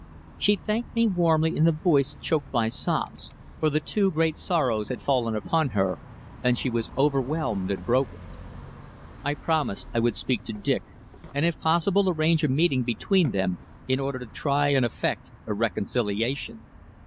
She thanked me warmly in a voice choked by sobs, for the two great sorrows had fallen upon her, and she was overwhelmed and broken. I promised I would speak to Dick, and if possible arrange a meeting between them, in order to try and effect a reconciliation.